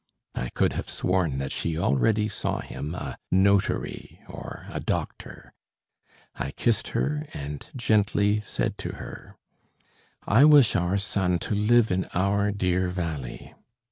I could have sworn that she already saw him a notary or a doctor. I kissed her and gently said to her: "I wish our son to live in our dear valley.